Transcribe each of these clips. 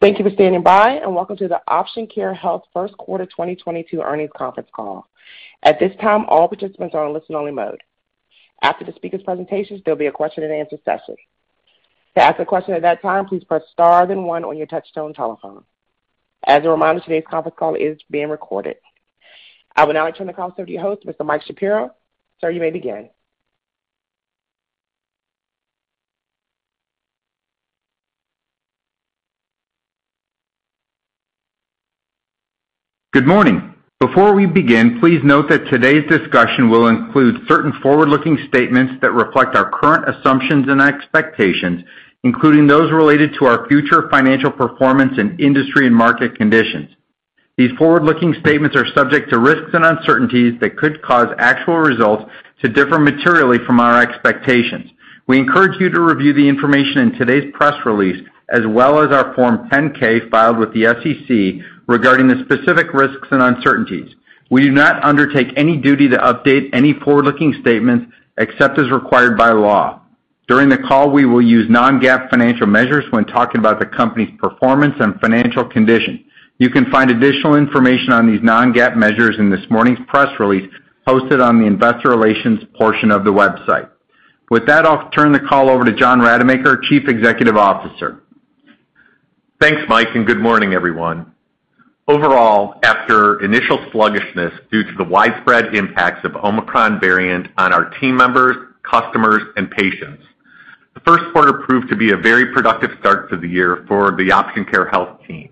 Thank you for standing by, and welcome to the Option Care Health Q1 2022 Earnings Conference Call. At this time, all participants are in listen-only mode. After the speakers' presentations, there'll be a question-and-answer session. To ask a question at that time, please press star then one on your touch-tone telephone. As a reminder, today's conference call is being recorded. I will now turn the call over to your host, Mr. Mike Shapiro. Sir, you may begin. Good morning. Before we begin, please note that today's discussion will include certain forward-looking statements that reflect our current assumptions and expectations, including those related to our future financial performance and industry and market conditions. These forward-looking statements are subject to risks and uncertainties that could cause actual results to differ materially from our expectations. We encourage you to review the information in today's press release as well as our Form 10-K filed with the SEC regarding the specific risks and uncertainties. We do not undertake any duty to update any forward-looking statements except as required by law. During the call, we will use non-GAAP financial measures when talking about the company's performance and financial condition. You can find additional information on these non-GAAP measures in this morning's press release posted on the investor relations portion of the website. With that, I'll turn the call over to John Rademacher, Chief Executive Officer. Thanks, Mike, and good morning, everyone. Overall, after initial sluggishness due to the widespread impacts of Omicron variant on our team members, customers and patients, the first quarter proved to be a very productive start to the year for the Option Care Health team.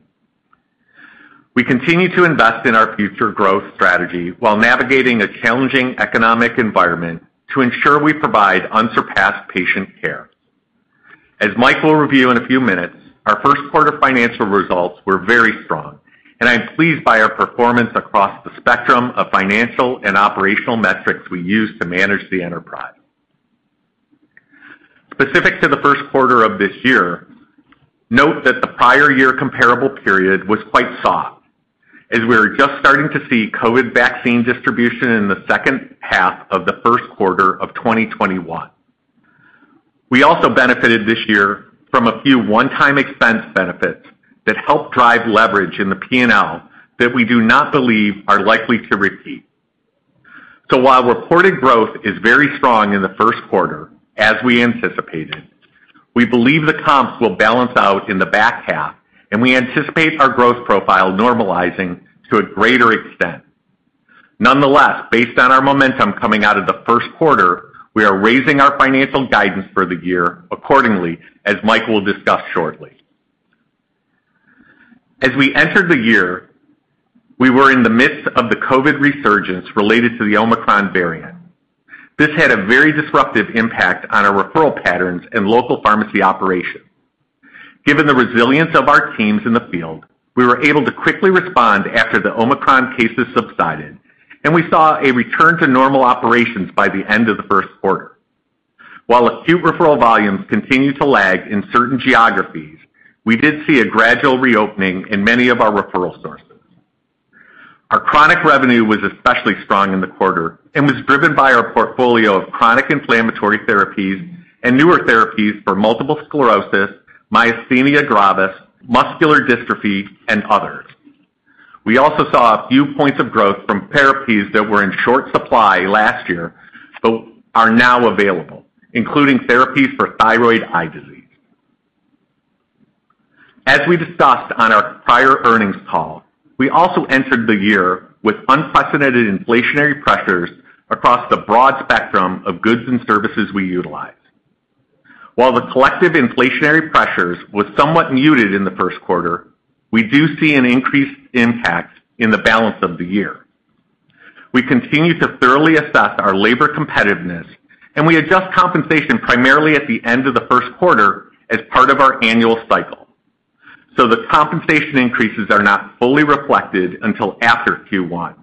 We continue to invest in our future growth strategy while navigating a challenging economic environment to ensure we provide unsurpassed patient care. As Mike will review in a few minutes, our first quarter financial results were very strong, and I am pleased by our performance across the spectrum of financial and operational metrics we use to manage the enterprise. Specific to the Q1 of this year, note that the prior year comparable period was quite soft as we were just starting to see COVID-19 vaccine distribution in the second half of the Q1 2021. We also benefited this year from a few one-time expense benefits that helped drive leverage in the P&L that we do not believe are likely to repeat. While reported growth is very strong in the Q1, as we anticipated, we believe the comps will balance out in the back half and we anticipate our growth profile normalizing to a greater extent. Nonetheless, based on our momentum coming out of the Q1, we are raising our financial guidance for the year accordingly, as Mike will discuss shortly. As we entered the year, we were in the midst of the COVID-19 resurgence related to the Omicron variant. This had a very disruptive impact on our referral patterns and local pharmacy operations. Given the resilience of our teams in the field, we were able to quickly respond after the Omicron cases subsided, and we saw a return to normal operations by the end of the first quarter. While acute referral volumes continued to lag in certain geographies, we did see a gradual reopening in many of our referral sources. Our chronic revenue was especially strong in the quarter and was driven by our portfolio of chronic inflammatory therapies and newer therapies for multiple sclerosis, myasthenia gravis, muscular dystrophy and others. We also saw a few points of growth from therapies that were in short supply last year, but are now available, including therapies for thyroid eye disease. As we discussed on our prior earnings call, we also entered the year with unprecedented inflationary pressures across the broad spectrum of goods and services we utilize. While the collective inflationary pressures was somewhat muted in the Q1, we do see an increased impact in the balance of the year. We continue to thoroughly assess our labor competitiveness, and we adjust compensation primarily at the end of the first quarter as part of our annual cycle, so the compensation increases are not fully reflected until after Q1.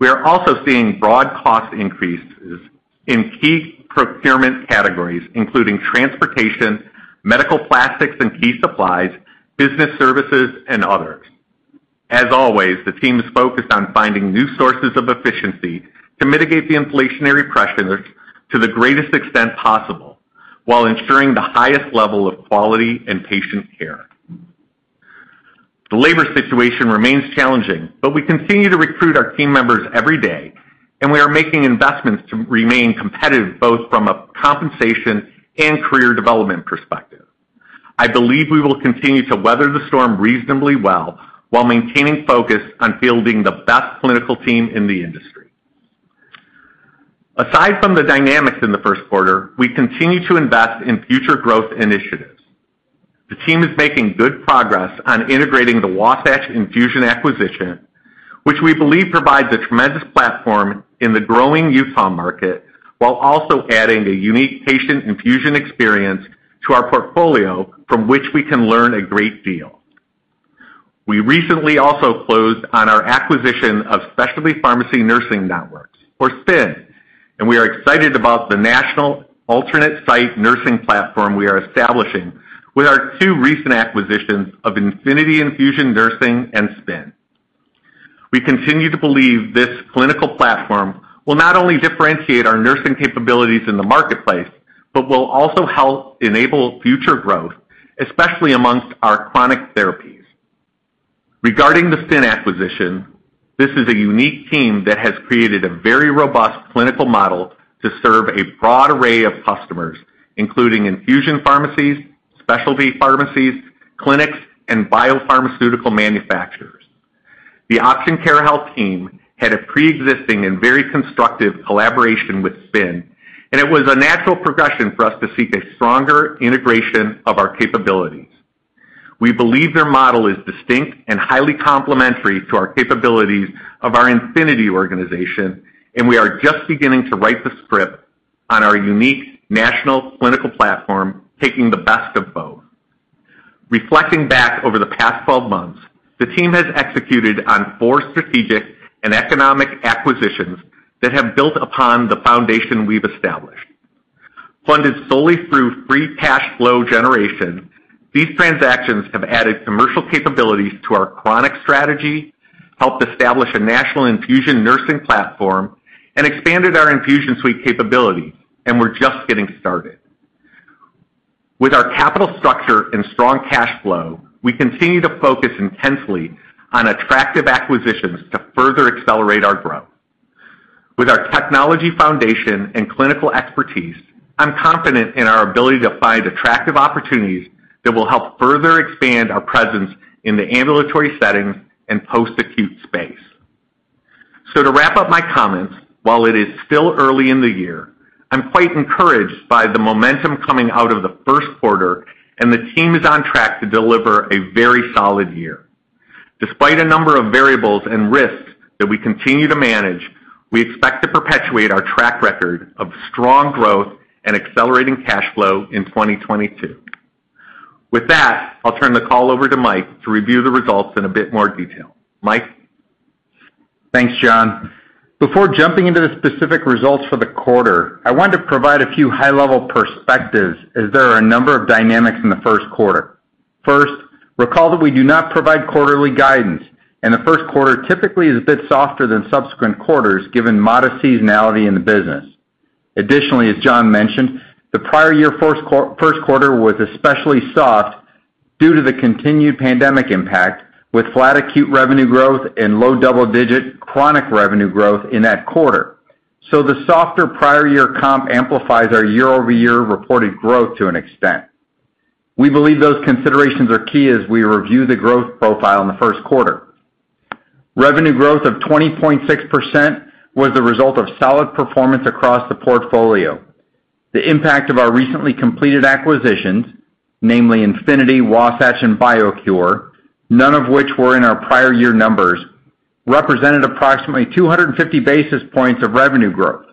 We are also seeing broad cost increases in key procurement categories including transportation, medical plastics and key supplies, business services and others. As always, the team is focused on finding new sources of efficiency to mitigate the inflationary pressures to the greatest extent possible while ensuring the highest level of quality and patient care. The labor situation remains challenging, but we continue to recruit our team members every day, and we are making investments to remain competitive both from a compensation and career development perspective. I believe we will continue to weather the storm reasonably well while maintaining focus on fielding the best clinical team in the industry. Aside from the dynamics in the Q1, we continue to invest in future growth initiatives. The team is making good progress on integrating the Wasatch Infusion acquisition, which we believe provides a tremendous platform in the growing AIS market while also adding a unique patient infusion experience to our portfolio from which we can learn a great deal. We recently also closed on our acquisition of Specialty Pharmacy Nursing Network, or SPNN, and we are excited about the national alternate site nursing platform we are establishing with our two recent acquisitions of Infinity Infusion Nursing and SPNN. We continue to believe this clinical platform will not only differentiate our nursing capabilities in the marketplace, but will also help enable future growth, especially among our chronic therapies. Regarding the SPNN acquisition, this is a unique team that has created a very robust clinical model to serve a broad array of customers, including infusion pharmacies, specialty pharmacies, clinics, and biopharmaceutical manufacturers. The Option Care Health team had a pre-existing and very constructive collaboration with SPNN, and it was a natural progression for us to seek a stronger integration of our capabilities. We believe their model is distinct and highly complementary to the capabilities of our Infinity organization, and we are just beginning to write the script on our unique national clinical platform, taking the best of both. Reflecting back over the past 12 months, the team has executed on four strategic and economic acquisitions that have built upon the foundation we've established. Funded solely through free cash flow generation, these transactions have added commercial capabilities to our chronic strategy, helped establish a national infusion nursing platform, and expanded our infusion suite capability, and we're just getting started. With our capital structure and strong cash flow, we continue to focus intensely on attractive acquisitions to further accelerate our growth. With our technology foundation and clinical expertise, I'm confident in our ability to find attractive opportunities that will help further expand our presence in the ambulatory setting and post-acute space. To wrap up my comments, while it is still early in the year, I'm quite encouraged by the momentum coming out of the first quarter, and the team is on track to deliver a very solid year. Despite a number of variables and risks that we continue to manage, we expect to perpetuate our track record of strong growth and accelerating cash flow in 2022. With that, I'll turn the call over to Mike to review the results in a bit more detail. Mike? Thanks, John. Before jumping into the specific results for the quarter, I wanted to provide a few high-level perspectives as there are a number of dynamics in the Q1. First, recall that we do not provide quarterly guidance, and the Q1 typically is a bit softer than subsequent quarters, given modest seasonality in the business. Additionally, as John mentioned, the prior year first quarter was especially soft due to the continued pandemic impact with flat acute revenue growth and low double-digit chronic revenue growth in that quarter. The softer prior year comp amplifies our year-over-year reported growth to an extent. We believe those considerations are key as we review the growth profile in the Q1. Revenue growth of 20.6% was the result of solid performance across the portfolio. The impact of our recently completed acquisitions, namely Infinity, Wasatch, and BioCure, none of which were in our prior year numbers, represented approximately 250 basis points of revenue growth.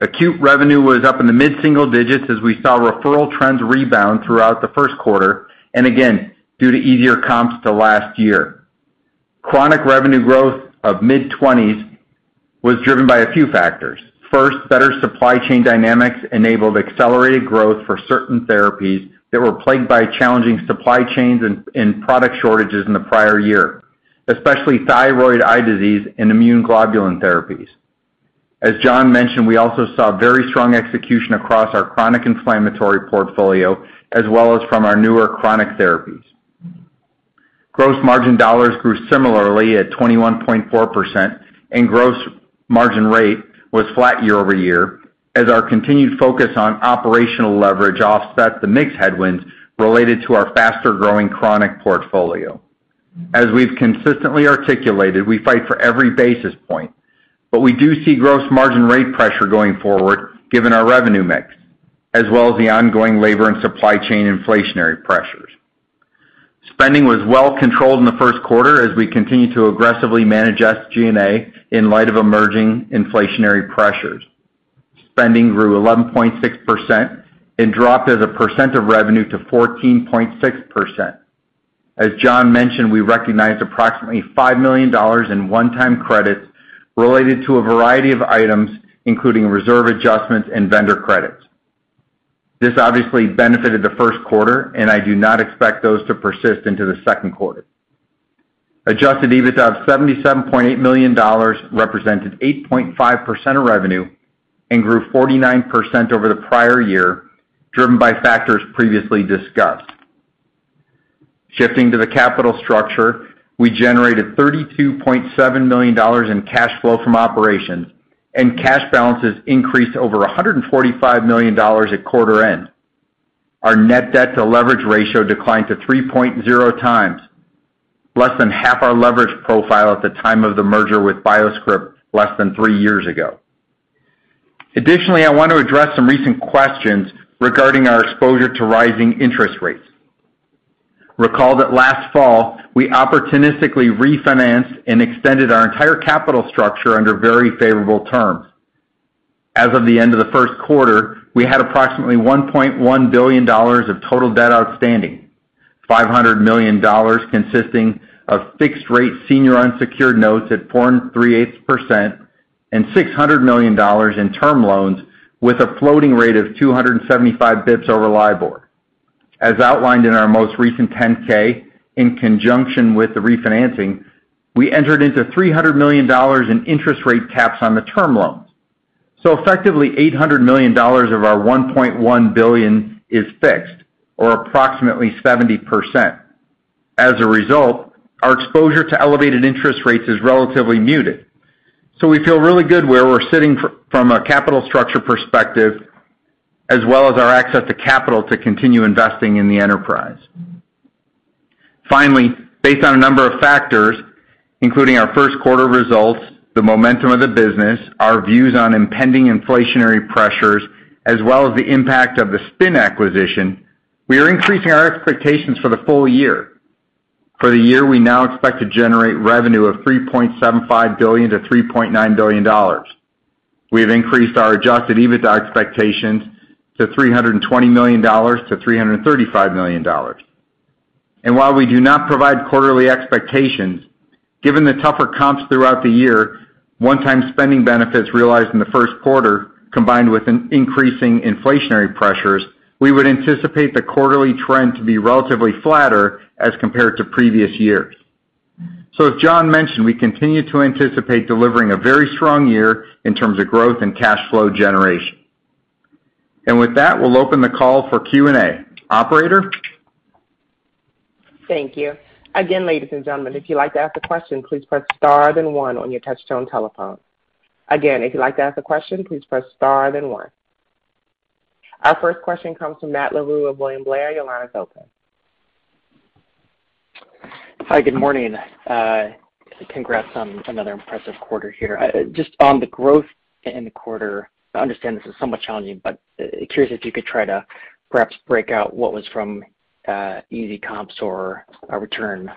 Acute revenue was up in the mid-single digits as we saw referral trends rebound throughout the Q1, and again, due to easier comps to last year. Chronic revenue growth of mid-twenties was driven by a few factors. First, better supply chain dynamics enabled accelerated growth for certain therapies that were plagued by challenging supply chains and product shortages in the prior year, especially thyroid eye disease and immune globulin therapies. As John mentioned, we also saw very strong execution across our chronic inflammatory portfolio, as well as from our newer chronic therapies. Gross margin dollars grew similarly at 21.4%, and gross margin rate was flat year-over-year as our continued focus on operational leverage offset the mix headwinds related to our faster-growing chronic portfolio. As we've consistently articulated, we fight for every basis point, but we do see gross margin rate pressure going forward given our revenue mix, as well as the ongoing labor and supply chain inflationary pressures. Spending was well controlled in the first quarter as we continued to aggressively manage SG&A in light of emerging inflationary pressures. Spending grew 11.6% and dropped as a percent of revenue to 14.6%. As John mentioned, we recognized approximately $5 million in one-time credits related to a variety of items, including reserve adjustments and vendor credits. This obviously benefited the first quarter, and I do not expect those to persist into the Q2. Adjusted EBITDA of $77.8 million represented 8.5% of revenue and grew 49% over the prior year, driven by factors previously discussed. Shifting to the capital structure, we generated $32.7 million in cash flow from operations and cash balances increased over $145 million at quarter end. Our net debt to leverage ratio declined to 3.0x, less than half our leverage profile at the time of the merger with BioScrip less than three years ago. Additionally, I want to address some recent questions regarding our exposure to rising interest rates. Recall that last fall, we opportunistically refinanced and extended our entire capital structure under very favorable terms. As of the end of the Q1, we had approximately $1.1 billion of total debt outstanding, $500 million consisting of fixed rate senior unsecured notes at 4 3/8% and $600 million in term loans with a floating rate of 275 basis points over LIBOR. As outlined in our most recent Form 10-K, in conjunction with the refinancing, we entered into $300 million in interest rate caps on the term loans. Effectively, $800 million of our $1.1 billion is fixed, or approximately 70%. As a result, our exposure to elevated interest rates is relatively muted. We feel really good where we're sitting from a capital structure perspective, as well as our access to capital to continue investing in the enterprise. Finally, based on a number of factors, including our Q1 results, the momentum of the business, our views on impending inflationary pressures, as well as the impact of the SPNN acquisition, we are increasing our expectations for the full year. For the year, we now expect to generate revenue of $3.75 billion-$3.9 billion. We have increased our adjusted EBITDA expectations to $300 million-$335 million. While we do not provide quarterly expectations, given the tougher comps throughout the year, one-time spending benefits realized in the first quarter, combined with an increase in inflationary pressures, we would anticipate the quarterly trend to be relatively flatter as compared to previous years. As John mentioned, we continue to anticipate delivering a very strong year in terms of growth and cash flow generation. With that, we'll open the call for Q&A. Operator? Thank you. Again, ladies and gentlemen, if you'd like to ask a question, please press star then one on your touchtone telephone. Again, if you'd like to ask a question, please press star then one. Our first question comes from Matt Larew of William Blair. Your line is open. Hi, good morning. Congrats on another impressive quarter here. Just on the growth in the quarter, I understand this is somewhat challenging, but curious if you could try to perhaps break out what was from easy comps or a return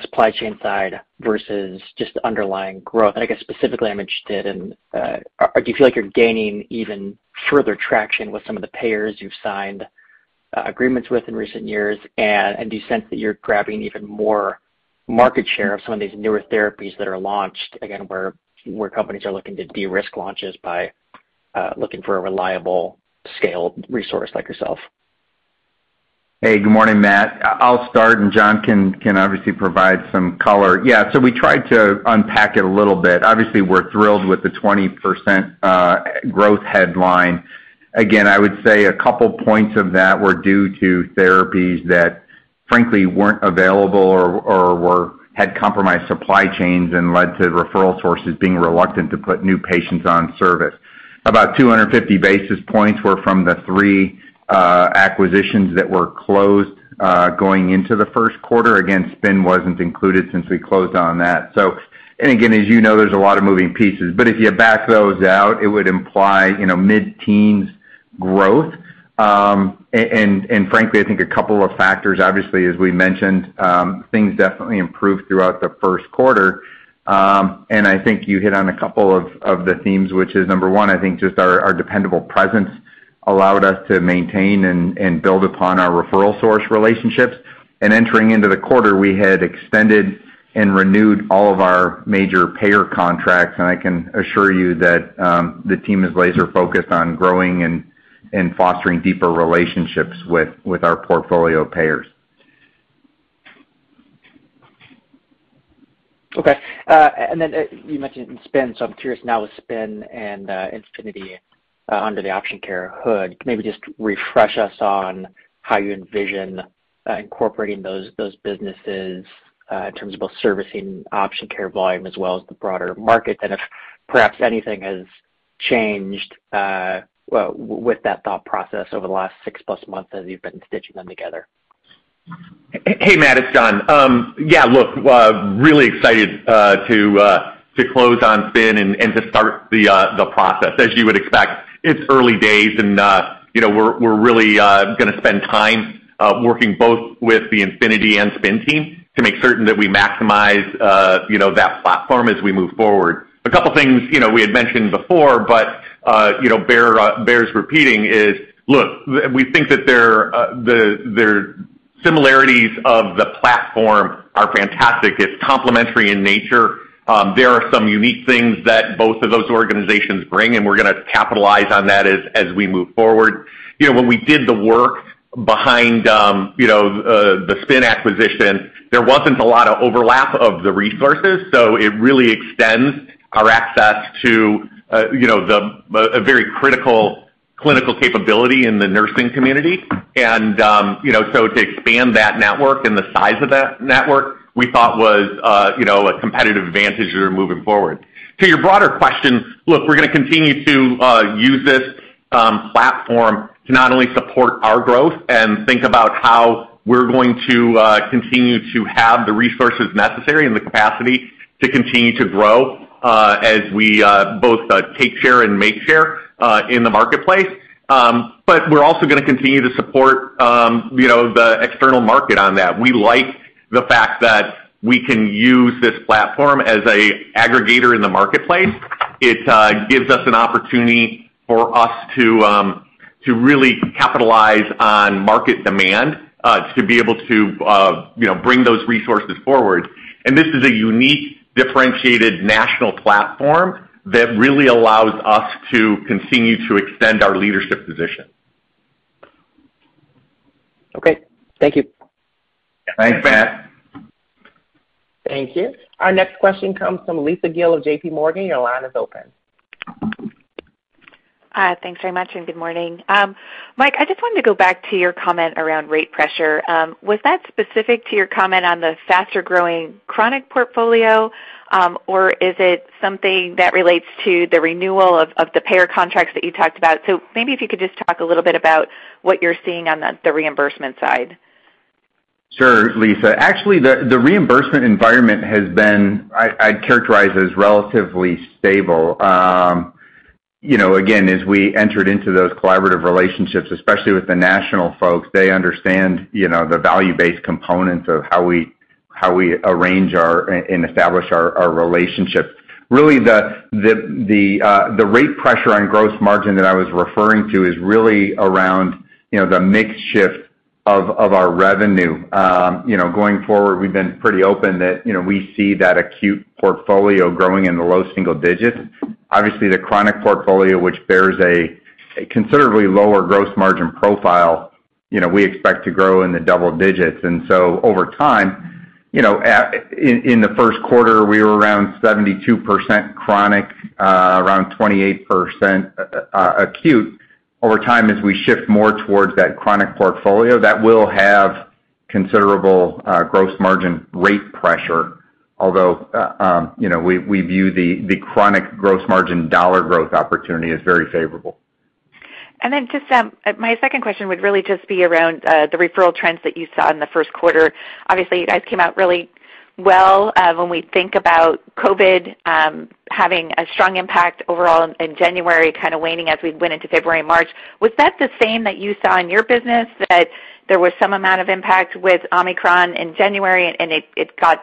supply chain side versus just underlying growth. I guess specifically, I'm interested in do you feel like you're gaining even further traction with some of the payers you've signed agreements with in recent years? Do you sense that you're grabbing even more market share of some of these newer therapies that are launched, again, where companies are looking to de-risk launches by looking for a reliable scaled resource like yourself? Hey, good morning, Matt. I'll start, and John can obviously provide some color. Yeah, we tried to unpack it a little bit. Obviously, we're thrilled with the 20% growth headline. Again, I would say a couple points of that were due to therapies that frankly weren't available or had compromised supply chains and led to referral sources being reluctant to put new patients on service. About 250 basis points were from the three acquisitions that were closed, going into the first quarter. Again, SPNN wasn't included since we closed on that. Again, as you know, there's a lot of moving pieces. But if you back those out, it would imply, you know, mid-teens growth. Frankly, I think a couple of factors, obviously, as we mentioned, things definitely improved throughout the Q1. I think you hit on a couple of the themes, which is number one. I think just our dependable presence allowed us to maintain and build upon our referral source relationships. Entering into the quarter, we had extended and renewed all of our major payer contracts. I can assure you that the team is laser focused on growing and fostering deeper relationships with our portfolio payers. Okay. You mentioned SPNN, so I'm curious now with SPNN and Infinity under the Option Care hood, maybe just refresh us on how you envision incorporating those businesses in terms of both servicing Option Care volume as well as the broader market, and if perhaps anything has changed with that thought process over the last six-plus months as you've been stitching them together. Hey, Matt, it's John. Yeah, look, really excited to close on SPNN and to start the process. As you would expect, it's early days and you know, we're really gonna spend time working both with the Infinity and SPNN team to make certain that we maximize you know, that platform as we move forward. A couple things, we had mentioned before, but bears repeating is, look, we think that their their similarities of the platform are fantastic. It's complementary in nature. There are some unique things that both of those organizations bring, and we're gonna capitalize on that as we move forward. When we did the work behind, the SPNN acquisition, there wasn't a lot of overlap of the resources, so it really extends our access to, you know, a very critical clinical capability in the nursing community. So to expand that network and the size of that network, we thought was, a competitive advantage as we're moving forward. To your broader question, look, we're gonna continue to use this platform to not only support our growth and think about how we're going to continue to have the resources necessary and the capacity to continue to grow, as we both take share and make share in the marketplace. We're also gonna continue to support, the external market on that. We like the fact that we can use this platform as an aggregator in the marketplace. It gives us an opportunity for us to really capitalize on market demand, to be able to bring those resources forward. This is a unique, differentiated national platform that really allows us to continue to extend our leadership position. Okay. Thank you. Thanks, Matt. Thank you. Our next question comes from Lisa Gill of JP Morgan. Your line is open. Hi. Thanks very much, and good morning. Mike, I just wanted to go back to your comment around rate pressure. Was that specific to your comment on the faster-growing chronic portfolio, or is it something that relates to the renewal of the payer contracts that you talked about? Maybe if you could just talk a little bit about what you're seeing on the reimbursement side. Sure, Lisa. Actually, the reimbursement environment has been I'd characterize as relatively stable. Again, as we entered into those collaborative relationships, especially with the national folks, they understand the value-based components of how we arrange and establish our relationships. Really, the rate pressure on gross margin that I was referring to is really around the mix shift of our revenue. Going forward, we've been pretty open that we see that acute portfolio growing in the low single digits. Obviously, the chronic portfolio, which bears a considerably lower gross margin profile, we expect to grow in the double digits. Over time, in the Q1, we were around 72% chronic, around 28% acute. Over time, as we shift more towards that chronic portfolio, that will have considerable gross margin rate pressure, although we view the chronic gross margin dollar growth opportunity as very favorable. My second question would really just be around the referral trends that you saw in the first quarter. Obviously, you guys came out really well. When we think about COVID-19 having a strong impact overall in January, kind of waning as we went into February and March. Was that the same that you saw in your business, that there was some amount of impact with Omicron in January and it got better,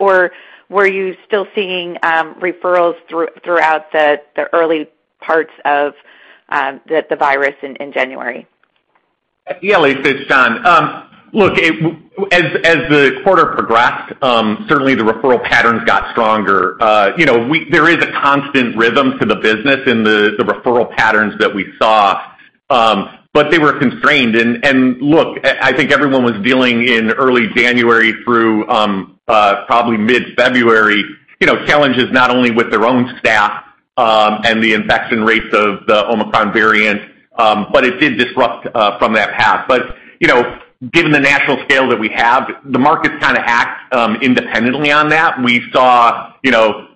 or were you still seeing referrals throughout the early parts of the virus in January? Yeah, Lisa, it's John Rademacher. Look, as the quarter progressed, certainly the referral patterns got stronger. There is a constant rhythm to the business and the referral patterns that we saw, but they were constrained. Look, I think everyone was dealing in early January through probably mid-February, challenges not only with their own staff and the infection rates of the Omicron variant, but it did disrupt from that path. Given the national scale that we have, the markets kinda act independently on that. We saw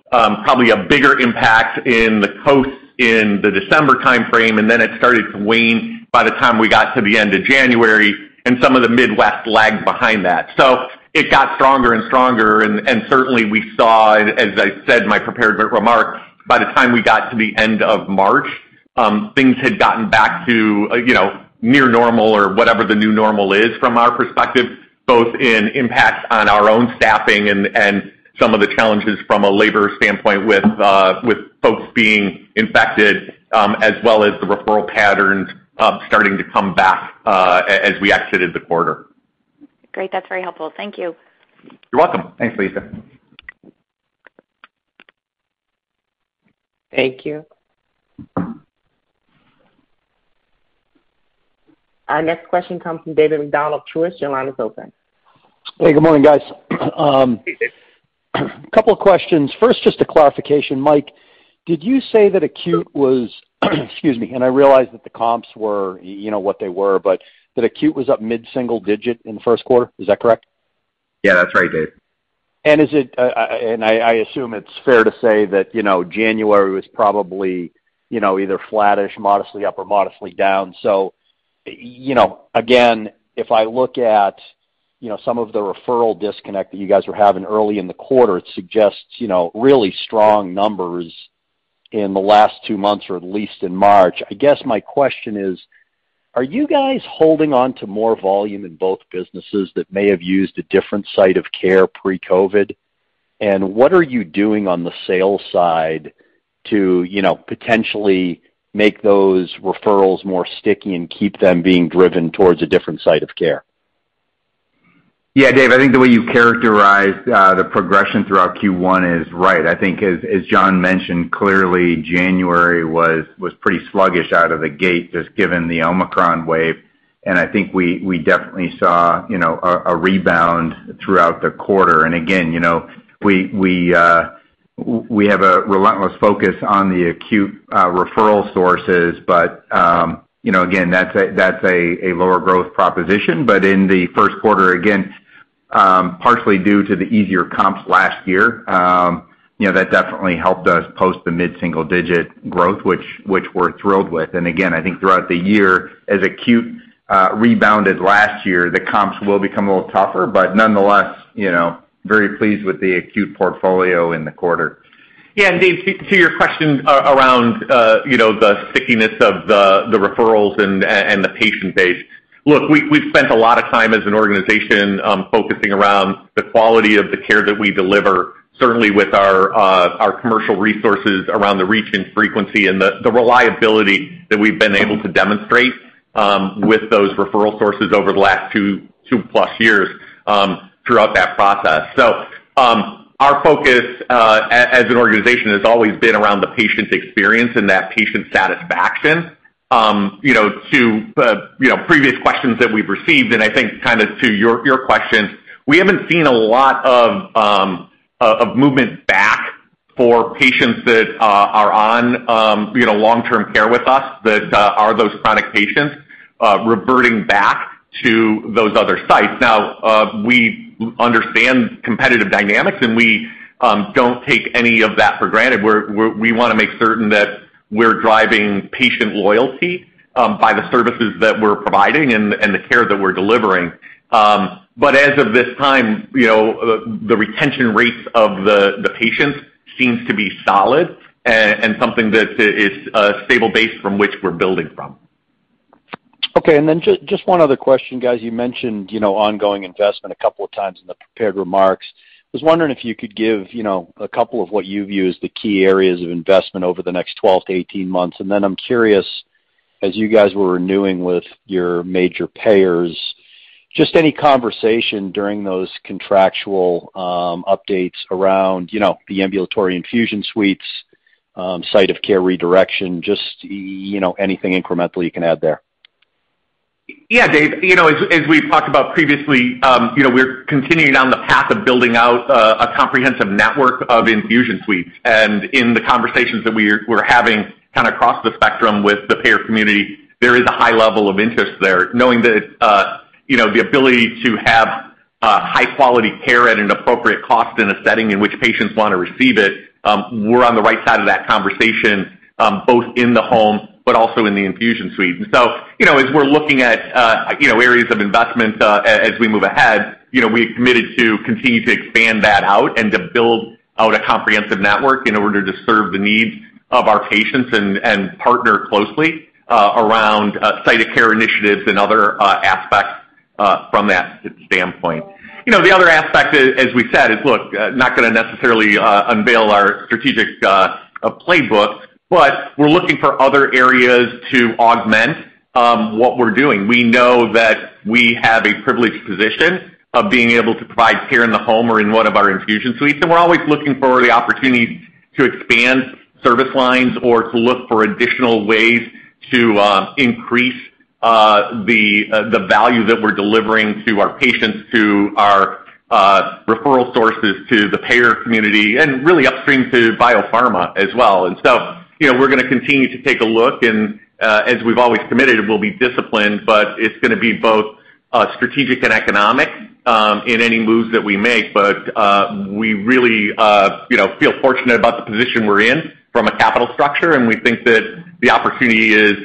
probably a bigger impact in the coast in the December timeframe, and then it started to wane by the time we got to the end of January, and some of the Midwest lagged behind that. It got stronger and stronger and certainly we saw, as I said in my prepared remarks, by the time we got to the end of March, things had gotten back to, you know, near normal or whatever the new normal is from our perspective, both in impact on our own staffing and some of the challenges from a labor standpoint with folks being infected, as well as the referral patterns starting to come back, as we exited the quarter. Great. That's very helpful. Thank you. You're welcome. Thanks, Lisa. Thank you. Our next question comes from David MacDonald of Truist. Your line is open. Hey, good morning, guys. Hey, Dave. Couple questions. First, just a clarification. Mike, did you say that acute was, excuse me, and I realize that the comps were, you know, what they were, but that acute was up mid-single-digit % in the first quarter? Is that correct? Yeah, that's right, Dave. I assume it's fair to say that, you know, January was probably, either flattish, modestly up or modestly down. You know, again, if I look at, some of the referral disconnect that you guys were having early in the quarter, it suggests, really strong numbers in the last two months, or at least in March. I guess my question is, are you guys holding on to more volume in both businesses that may have used a different site of care pre-COVID? What are you doing on the sales side to, potentially make those referrals more sticky and keep them being driven towards a different site of care? Yeah, Dave, I think the way you characterized the progression throughout Q1 is right. I think as John mentioned, clearly January was pretty sluggish out of the gate, just given the Omicron wave, and I think we definitely saw, you know, a rebound throughout the quarter. Again, we have a relentless focus on the acute referral sources, but again, that's a lower growth proposition. In the first quarter, again, partially due to the easier comps last year, that definitely helped us post the mid-single-digit growth, which we're thrilled with. Again, I think throughout the year, as acute rebounded last year, the comps will become a little tougher, but nonetheless, very pleased with the acute portfolio in the quarter. Yeah. David, to your question around, the stickiness of the referrals and the patient base. Look, we've spent a lot of time as an organization focusing around the quality of the care that we deliver, certainly with our commercial resources around the reach and frequency and the reliability that we've been able to demonstrate. With those referral sources over the last two-plus years throughout that process. Our focus as an organization has always been around the patient experience and that patient satisfaction. To the previous questions that we've received, and I think kind of to your question, we haven't seen a lot of movement back for patients that are on long-term care with us that are those chronic patients reverting back to those other sites. Now, we understand competitive dynamics, and we don't take any of that for granted. We wanna make certain that we're driving patient loyalty by the services that we're providing and the care that we're delivering. As of this time, you know, the retention rates of the patients seems to be solid and something that is a stable base from which we're building from. Okay. Just one other question, guys. You mentioned you know ongoing investment a couple of times in the prepared remarks. I was wondering if you could give you know a couple of what you view as the key areas of investment over the next 12-18 months. I'm curious as you guys were renewing with your major payers just any conversation during those contractual updates around you know the Ambulatory Infusion Suites site of care redirection just you know anything incrementally you can add there. Yeah, Dave. As we've talked about previously, you know, we're continuing down the path of building out a comprehensive network of infusion suites. In the conversations that we're having kind of across the spectrum with the payer community, there is a high level of interest there. Knowing that, the ability to have high quality care at an appropriate cost in a setting in which patients wanna receive it, we're on the right side of that conversation, both in the home, but also in the infusion suite. You know, as we're looking at, areas of investment, as we move ahead, you know, we have committed to continue to expand that out and to build out a comprehensive network in order to serve the needs of our patients and partner closely around site of care initiatives and other aspects from that standpoint. You know, the other aspect, as we said, is look, not gonna necessarily unveil our strategic playbook, but we're looking for other areas to augment what we're doing. We know that we have a privileged position of being able to provide care in the home or in one of our infusion suites, and we're always looking for the opportunities to expand service lines or to look for additional ways to increase the value that we're delivering to our patients, to our referral sources, to the payer community, and really upstream to biopharma as well. You know, we're gonna continue to take a look, and as we've always committed, we'll be disciplined, but it's gonna be both strategic and economic in any moves that we make. We really, feel fortunate about the position we're in from a capital structure, and we think that the opportunity is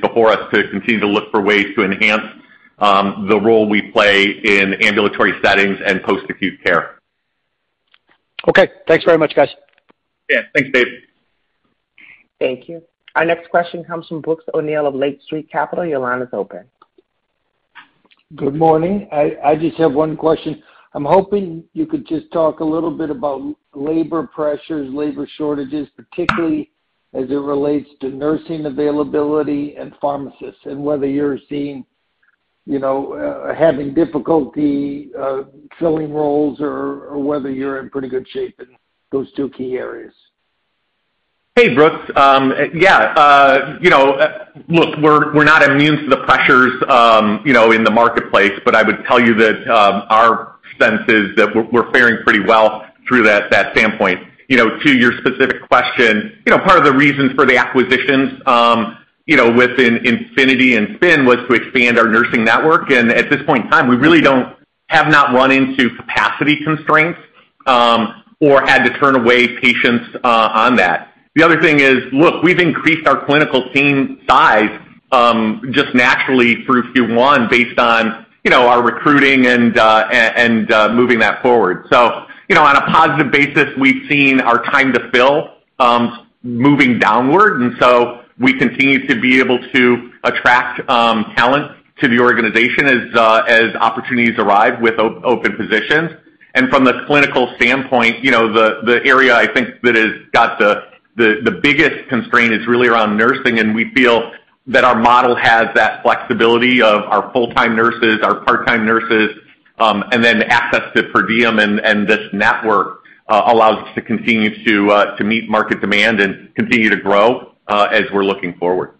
before us to continue to look for ways to enhance the role we play in ambulatory settings and post-acute care. Okay. Thanks very much, guys. Yeah. Thanks, Dave. Thank you. Our next question comes from Brooks O'Neil of Lake Street Capital Markets. Your line is open. Good morning. I just have one question. I'm hoping you could just talk a little bit about labor pressures, labor shortages, particularly as it relates to nursing availability and pharmacists, and whether you're seeing, having difficulty, filling roles or whether you're in pretty good shape in those two key areas? Hey, Brooks. Yeah, look, we're not immune to the pressures, in the marketplace, but I would tell you that our sense is that we're faring pretty well through that standpoint. To your specific question, part of the reasons for the acquisitions, you know, within Infinity and SPNN was to expand our nursing network. At this point in time, we really have not run into capacity constraints, or had to turn away patients, on that. The other thing is, look, we've increased our clinical team size, just naturally through Q1 based on, our recruiting and moving that forward. On a positive basis, we've seen our time-to-fill moving downward, and we continue to be able to attract talent to the organization as opportunities arrive with open positions. From the clinical standpoint, the area I think that has got the biggest constraint is really around nursing, and we feel that our model has that flexibility of our full-time nurses, our part-time nurses, and then access to per diem and this network allows us to continue to meet market demand and continue to grow as we're looking forward.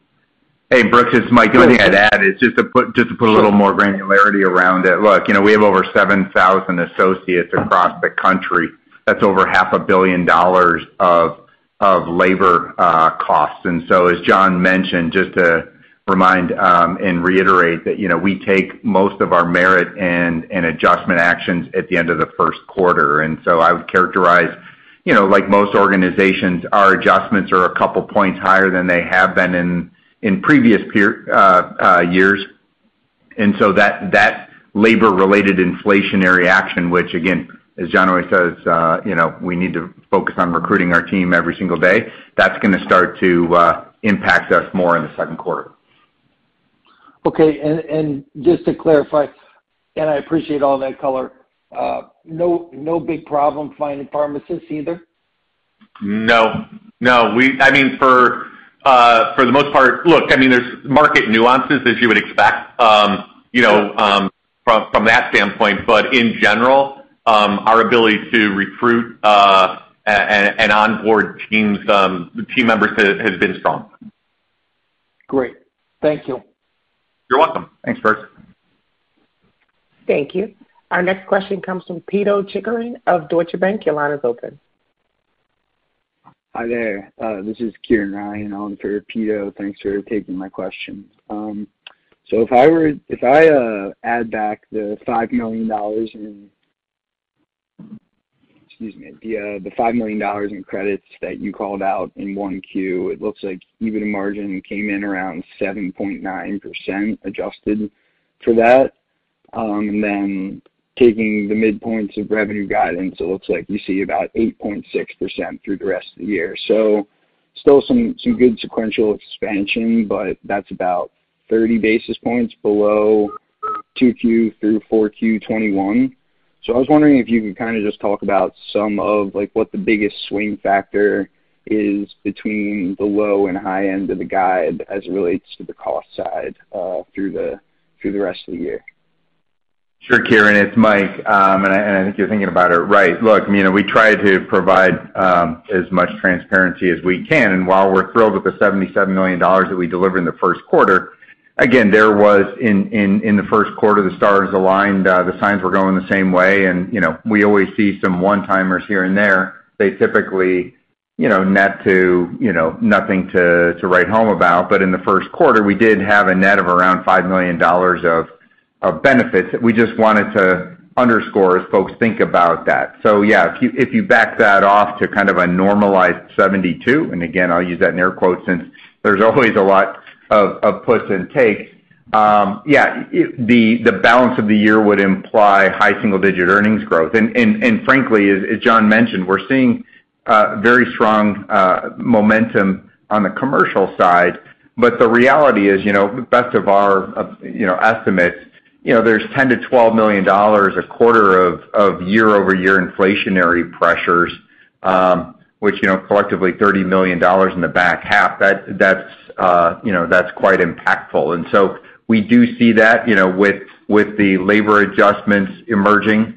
Hey, Brooks O'Neil, this is Mike Shapiro. I'd add just to put a little more granularity around it. Look, you know, we have over 7,000 associates across the country. That's over $500 million of labor costs. As John Rademacher mentioned, just to remind and reiterate that, we take most of our merit and adjustment actions at the end of the first quarter. I would characterize, like most organizations, our adjustments are a couple points higher than they have been in previous years. That labor-related inflationary action, which again, as John Rademacher always says, you know, we need to focus on recruiting our team every single day, that's gonna start to impact us more in the second quarter. Okay. Just to clarify, I appreciate all that color, no big problem finding pharmacists either? No.I mean, for the most part. Look, I mean, there's market nuances as you would expect, from that standpoint. In general, our ability to recruit, and onboard teams, team members has been strong. Great. Thank you. You're welcome. Thanks, Brooks O'Neil. Thank you. Our next question comes from Pito Chickering of Deutsche Bank. Your line is open. Hi there. This is Kieran Ryan on for Pito Chickering. Thanks for taking my question. So if I add back the $5 million in credits that you called out in 1Q, it looks like EBITDA margin came in around 7.9% adjusted for that. Then taking the midpoints of revenue guidance, it looks like you see about 8.6% through the rest of the year. Still some good sequential expansion, but that's about 30 basis points below Q2 through Q4 2021. I was wondering if you could kinda just talk about some of like what the biggest swing factor is between the low and high end of the guide as it relates to the cost side, through the rest of the year? Sure, Kieran. It's Mike. I think you're thinking about it right. Look, I mean, we try to provide as much transparency as we can. While we're thrilled with the $77 million that we delivered in the first quarter, again, there was in the first quarter the stars aligned, the signs were going the same way. You know, we always see some one-timers here and there. They typically, net to, nothing to write home about. But in the Q1, we did have a net of around $5 million of benefits that we just wanted to underscore as folks think about that. Yeah, if you back that off to kind of a normalized 72, and again, I'll use that in "air quotes" since there's always a lot of puts and takes, the balance of the year would imply high single-digit earnings growth. Frankly, as John mentioned, we're seeing very strong momentum on the commercial side. But the reality is, you know, the best of our you know estimates you know there's $10 million to $12 million a quarter of year-over-year inflationary pressures, which you know collectively $30 million in the back half. That's you know that's quite impactful. We do see that, with the labor adjustments emerging,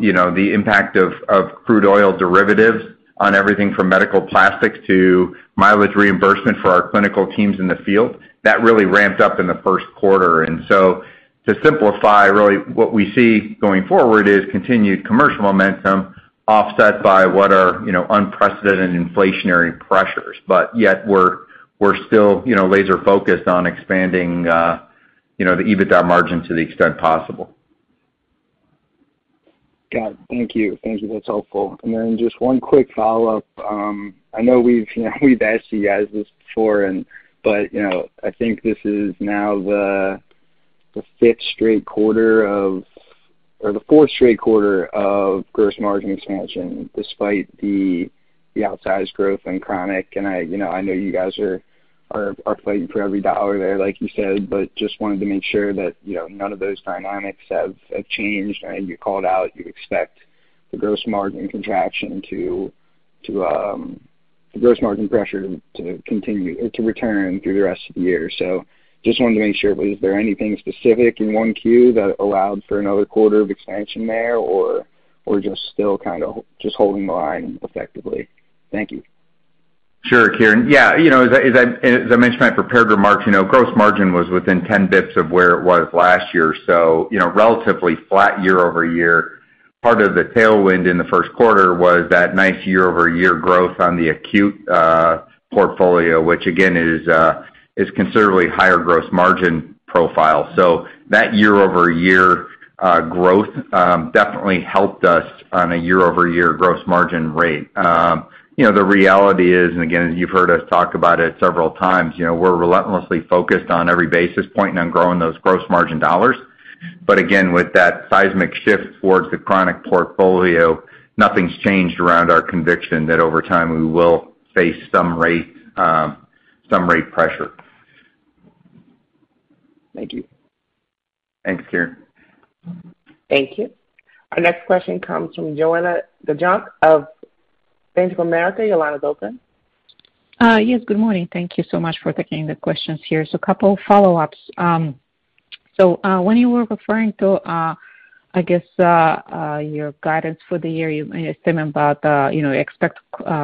you know, the impact of crude oil derivatives on everything from medical plastics to mileage reimbursement for our clinical teams in the field, that really ramped up in the Q1. To simplify, really what we see going forward is continued commercial momentum offset by what are, unprecedented inflationary pressures. Yet we're still, laser focused on expanding, you know, the EBITDA margin to the extent possible. Got it. Thank you. That's helpful. Just one quick follow-up. I know we've, you know, we've asked you guys this before, but I think this is now the fourth straight quarter of gross margin expansion despite the outsized growth in chronic. I know you guys are fighting for every dollar there, like you said, but just wanted to make sure that none of those dynamics have changed. I know you called out you expect the gross margin pressure to continue or to return through the rest of the year. Just wanted to make sure, was there anything specific in 1Q that allowed for another quarter of expansion there, or just still kinda just holding the line effectively? Thank you. Sure, Kieran. Yeah, as I mentioned in my prepared remarks, you know, gross margin was within 10 basis points of where it was last year, so, relatively flat year-over-year. Part of the tailwind in the Q1 was that nice year-over-year growth on the acute portfolio, which again is considerably higher gross margin profile. That year-over-year growth definitely helped us on a year-over-year gross margin rate. The reality is, and again, you've heard us talk about it several times, we're relentlessly focused on every basis point on growing those gross margin dollars. But again, with that seismic shift towards the chronic portfolio, nothing's changed around our conviction that over time we will face some rate pressure. Thank you. Thanks, Kieran. Thank you. Our next question comes from Joanna Gajuk of Bank of America. Your line is open. Yes, good morning. Thank you so much for taking the questions here. A couple follow-ups. When you were referring to, I guess, your guidance for the year, you made a statement about, you know, expect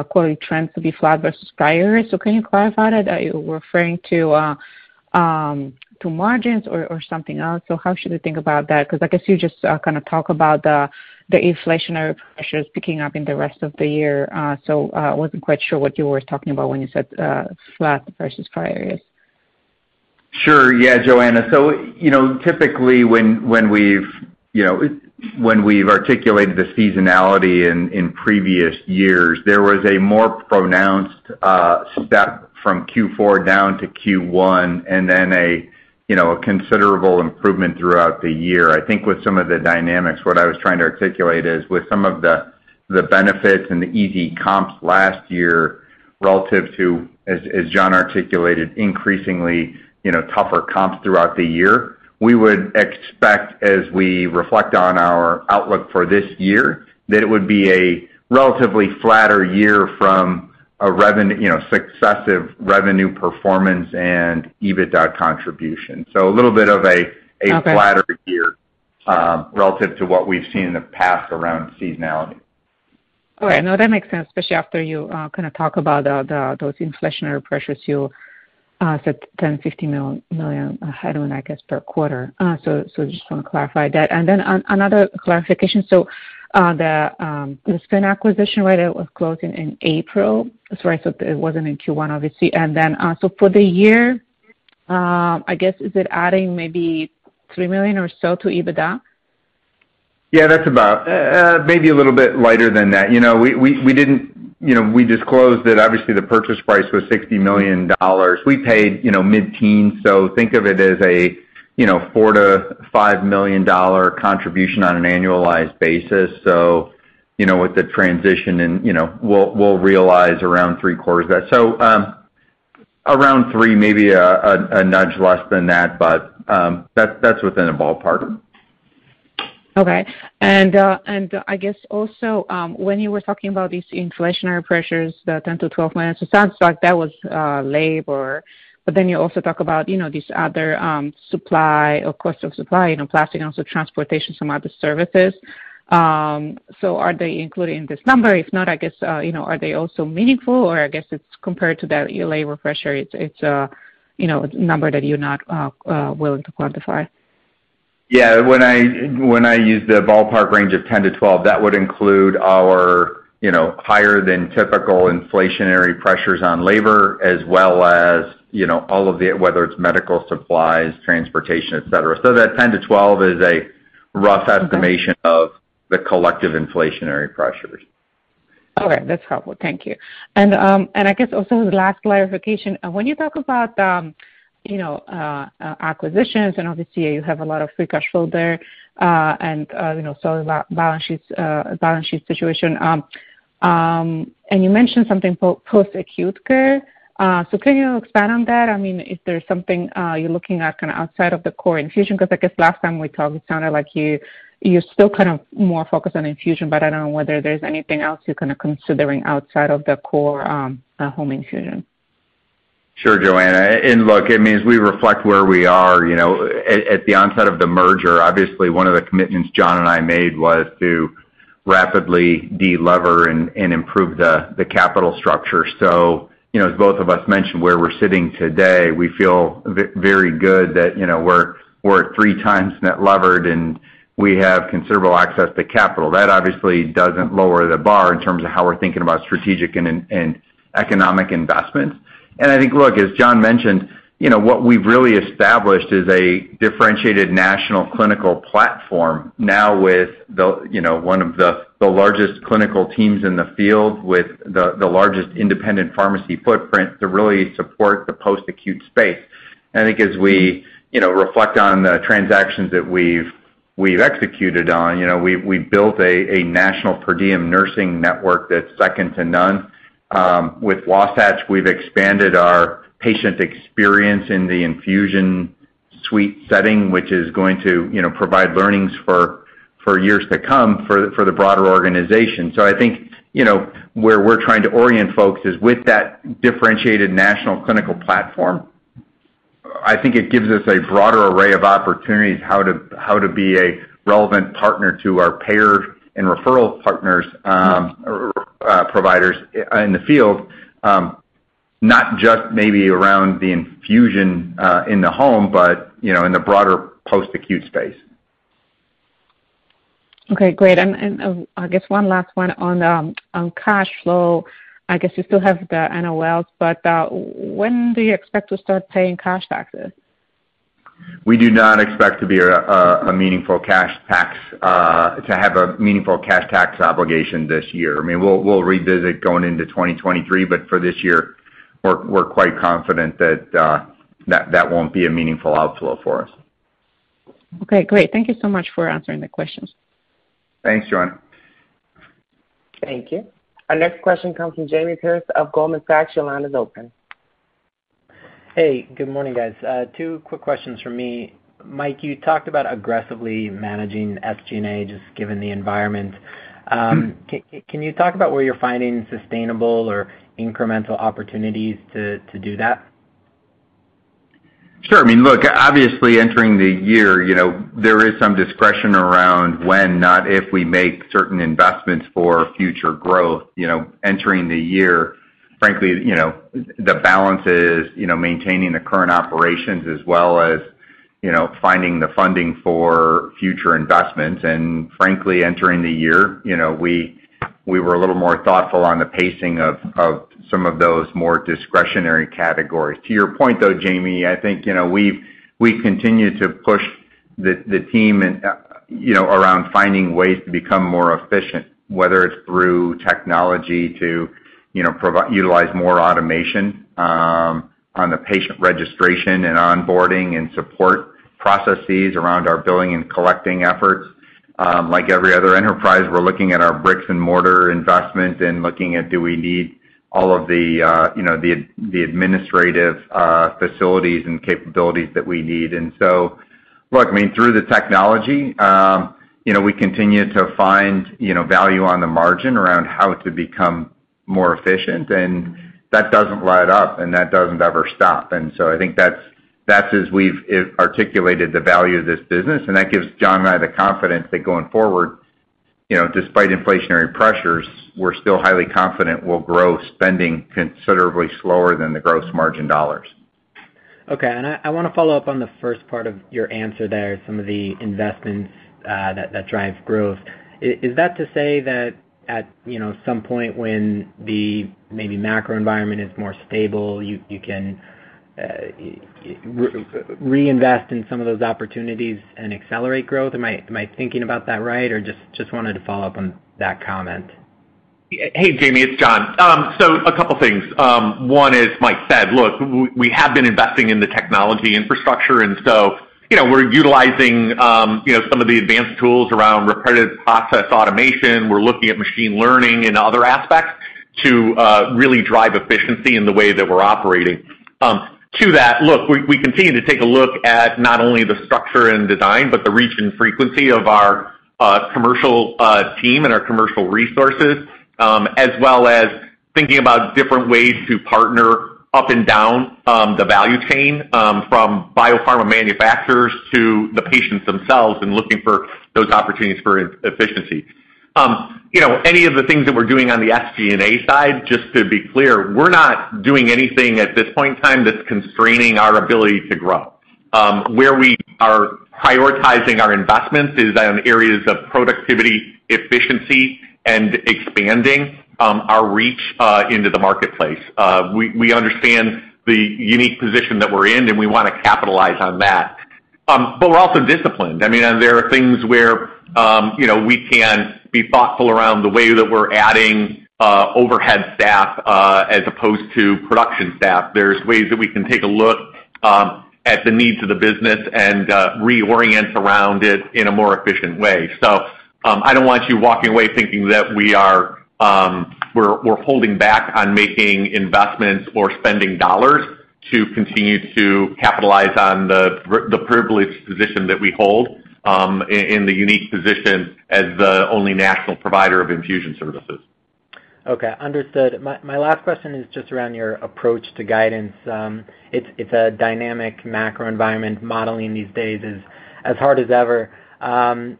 quarterly trends to be flat versus prior. Can you clarify that? Are you referring to margins or something else? How should we think about that? Because I guess you just kinda talk about the inflationary pressures picking up in the rest of the year. I wasn't quite sure what you were talking about when you said flat versus prior years. Sure. Yeah, Joanna. Typically, when we've articulated the seasonality in previous years, there was a more pronounced step from Q4 down to Q1 and then , a considerable improvement throughout the year. I think with some of the dynamics, what I was trying to articulate is with some of the benefits and the easy comps last year relative to, as John articulated, increasingly tougher comps throughout the year, we would expect as we reflect on our outlook for this year that it would be a relatively flatter year from a revenue successive revenue performance and EBITDA contribution. A little bit of a Okay. A flatter year, relative to what we've seen in the past around seasonality. Okay. No, that makes sense, especially after you kinda talk about those inflationary pressures you said $10 million to $15 million, I don't know, I guess per quarter. Just wanna clarify that. Another clarification, the SPNN acquisition, right, it was closed in April, so I assume it wasn't in Q1 obviously. For the year, I guess, is it adding maybe $3 million or so to EBITDA? Yeah, that's about maybe a little bit lighter than that. You know, we disclosed that obviously the purchase price was $60 million. We paid, you know, mid-teens, so think of it as a, $4 million to $5 million contribution on an annualized basis. With the transition and, you know, we'll realize around three-quarters of that. Around three, maybe a nudge less than that, but that's within a ballpark. I guess also, when you were talking about these inflationary pressures, the $10 million to 12 million, it sounds like that was labor, but then you also talk about, you know, these other supply or cost of supply, plastic, also transportation, some other services. So are they included in this number? If not, I guess, you know, are they also meaningful, or I guess it's compared to the labor pressure, it's a number that you're not willing to quantify. Yeah. When I use the ballpark range of 10%-12%, that would include our, higher than typical inflationary pressures on labor as well as, all of the, whether it's medical supplies, transportation, et cetera. So that 10%-12% is a rough- Okay. Estimation of the collective inflationary pressures. Okay. That's helpful. Thank you. I guess also the last clarification. When you talk about, acquisitions, and obviously you have a lot of free cash flow there, and, so balance sheet situation. You mentioned something post-acute care. So can you expand on that? I mean, is there something you're looking at kinda outside of the core infusion? 'Cause I guess last time we talked, it sounded like you're still kind of more focused on infusion, but I don't know whether there's anything else you're kinda considering outside of the core, home infusion. Sure, Joanna. Look, I mean, as we reflect where we are, at the onset of the merger, obviously one of the commitments John and I made was to rapidly de-lever and improve the capital structure. As both of us mentioned, where we're sitting today, we feel very good that, you know, we're at 3.0x net leverage, and we have considerable access to capital. That obviously doesn't lower the bar in terms of how we're thinking about strategic and economic investments. I think, look, as John mentioned, what we've really established is a differentiated national clinical platform now with the, you know, one of the largest clinical teams in the field with the largest independent pharmacy footprint to really support the post-acute space. I think as we, reflect on the transactions that we've executed on, you know, we've built a national per diem nursing network that's second to none. With Wasatch, we've expanded our patient experience in the infusion suite setting, which is going to, you know, provide learnings for years to come for the broader organization. I think, where we're trying to orient folks is with that differentiated national clinical platform. I think it gives us a broader array of opportunities how to be a relevant partner to our payer and referral partners, or providers in the field, not just maybe around the infusion in the home, but, in the broader post-acute space. Okay, great. I guess one last one on cash flow. I guess you still have the NOLs, but when do you expect to start paying cash taxes? We do not expect to have a meaningful cash tax obligation this year. I mean, we'll revisit going into 2023, but for this year we're quite confident that that won't be a meaningful outflow for us. Okay, great. Thank you so much for answering the questions. Thanks, Joanna. Thank you. Our next question comes from Jamie Perse of Goldman Sachs. Your line is open. Hey, good morning, guys. Two quick questions from me. Mike, you talked about aggressively managing SG&A, just given the environment. Mm-hmm. Can you talk about where you're finding sustainable or incremental opportunities to do that? Sure. I mean, look, obviously entering the year, you know, there is some discretion around when, not if, we make certain investments for future growth. Entering the year, frankly, the balance is, maintaining the current operations as well as, finding the funding for future investments. Frankly, entering the year, we were a little more thou ghtful on the pacing of some of those more discretionary categories. To your point, though, Jamie, I think, we continue to push the team and, you know, around finding ways to become more efficient, whether it's through technology to, utilize more automation, on the patient registration and onboarding and support processes around our billing and collecting efforts. Like every other enterprise, we're looking at our bricks and mortar investment and looking at do we need all of the, the administrative facilities and capabilities that we need. Look, I mean, through the technology, we continue to find, value on the margin around how to become more efficient and that doesn't let up and that doesn't ever stop. I think that's as we've articulated the value of this business and that gives John and I the confidence that going forward, despite inflationary pressures, we're still highly confident we'll grow spending considerably slower than the gross margin dollars. Okay. I wanna follow up on the first part of your answer there, some of the investments that drive growth. Is that to say that at you know some point when maybe the macro environment is more stable, you can reinvest in some of those opportunities and accelerate growth? Am I thinking about that right? Or just wanted to follow up on that comment. Hey, Jamie, it's John. So a couple things. One is Mike said, look, we have been investing in the technology infrastructure and so, you know, we're utilizing, some of the advanced tools around robotic process automation. We're looking at machine learning and other aspects to really drive efficiency in the way that we're operating. To that, look, we continue to take a look at not only the structure and design, but the reach and frequency of our commercial team and our commercial resources, as well as thinking about different ways to partner up and down the value chain, from biopharma manufacturers to the patients themselves and looking for those opportunities for efficiency. Any of the things that we're doing on the SG&A side, just to be clear, we're not doing anything at this point in time that's constraining our ability to grow. Where we are prioritizing our investments is on areas of productivity, efficiency, and expanding our reach into the marketplace. We understand the unique position that we're in, and we wanna capitalize on that. We're also disciplined. I mean, there are things where you know, we can be thoughtful around the way that we're adding overhead staff as opposed to production staff. There's ways that we can take a look at the needs of the business and reorient around it in a more efficient way. I don't want you walking away thinking that we're holding back on making investments or spending dollars to continue to capitalize on the privileged position that we hold, in the unique position as the only national provider of infusion services. Okay, understood. My last question is just around your approach to guidance. It's a dynamic macro environment. Modeling these days is as hard as ever. How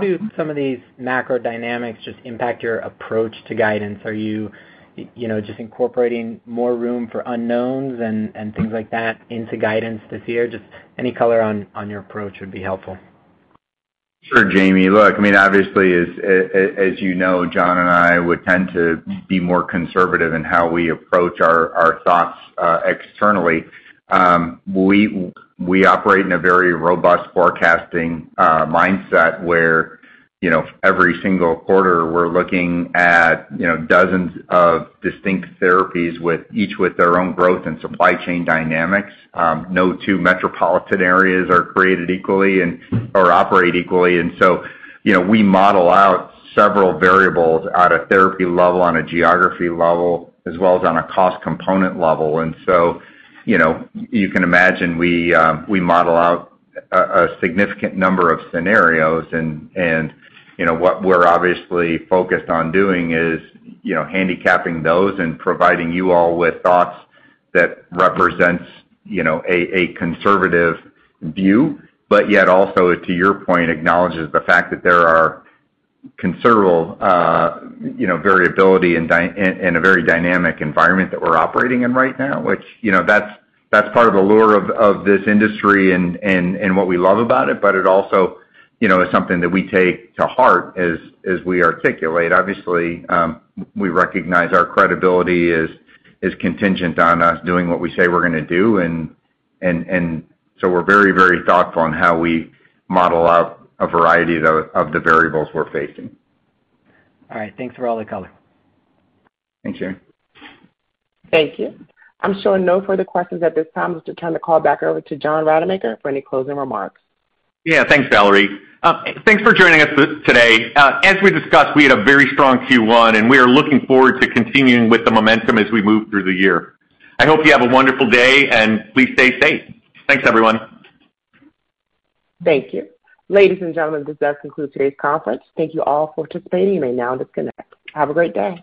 do some of these macro dynamics just impact your approach to guidance? Are you know, just incorporating more room for unknowns and things like that into guidance this year? Just any color on your approach would be helpful. Sure, Jamie. Look, I mean, obviously you know, John and I would tend to be more conservative in how we approach our thoughts externally. We operate in a very robust forecasting mindset where, you know, every single quarter we're looking at, you know, dozens of distinct therapies with their own growth and supply chain dynamics. No two metropolitan areas are created equally or operate equally. We model out several variables at a therapy level, on a geography level, as well as on a cost component level. You can imagine we model out a significant number of scenarios and, what we're obviously focused on doing is, you know, handicapping those and providing you all with thoughts that represents, a conservative view, but yet also, to your point, acknowledges the fact that there are considerable, you know, variability in a very dynamic environment that we're operating in right now, which, that's part of the lure of this industry and what we love about it, but it also, is something that we take to heart as we articulate. Obviously, we recognize our credibility is contingent on us doing what we say we're gonna do and so we're very, very thoughtful on how we model out a variety of the variables we're facing. All right. Thanks for all the color. Thanks, Jamie. Thank you. I'm showing no further questions at this time. Let's return the call back over to John Rademacher for any closing remarks. Yeah. Thanks, Valerie. Thanks for joining us today. As we discussed, we had a very strong Q1, and we are looking forward to continuing with the momentum as we move through the year. I hope you have a wonderful day, and please stay safe. Thanks, everyone. Thank you. Ladies and gentlemen, this does conclude today's conference. Thank you all for participating. You may now disconnect. Have a great day.